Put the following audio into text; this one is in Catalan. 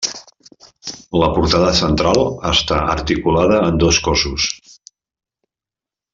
La portada central està articulada en dos cossos.